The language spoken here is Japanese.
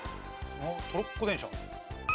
トロッコ電車。